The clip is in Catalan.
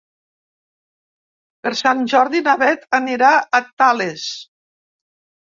Per Sant Jordi na Beth anirà a Tales.